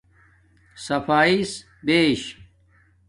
صفاݵس بیش